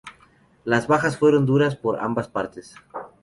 Las bajas fueron duras por ambas partes.